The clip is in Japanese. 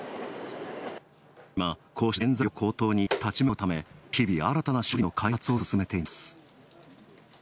今、こうした原材料高騰に立ち向かうため、日々新たな商品の開発を進めています。